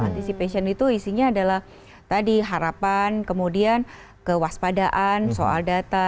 anticipation itu isinya adalah tadi harapan kemudian kewaspadaan soal data